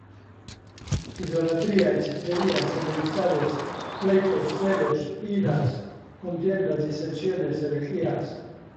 Idolatría, hechicerías, enemistades, pleitos, celos, iras, contiendas, disensiones, herejías,